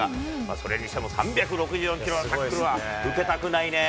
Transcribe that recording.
それにしても３６４キロのタックルは受けたくないねー。